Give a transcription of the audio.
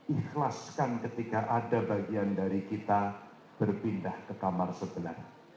ikhlaskan ketika ada bagian dari kita berpindah ke kamar sebelah